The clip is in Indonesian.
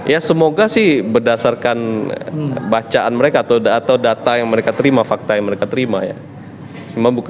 ya semoga sih berdasarkan bacaan mereka atau data yang mereka terima fakta yang mereka terima ya